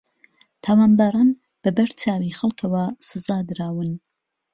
تاوانباران بە بەرچاوی خەڵکەوە سزادراون